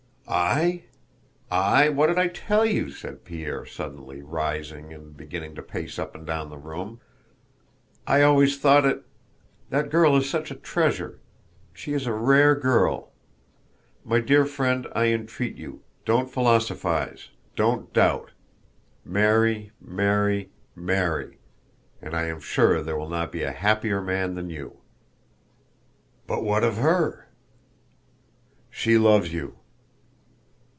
"I? I? What did I tell you?" said Pierre suddenly, rising and beginning to pace up and down the room. "I always thought it.... That girl is such a treasure... she is a rare girl.... My dear friend, I entreat you, don't philosophize, don't doubt, marry, marry, marry.... And I am sure there will not be a happier man than you." "But what of her?" "She loves you."